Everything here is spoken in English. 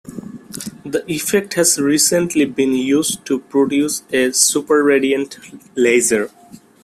The effect has recently been used to produce a superradiant laser.